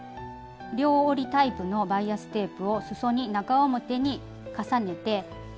両折りタイプのバイアステープをすそに中表に重ねて折り目の上を縫います。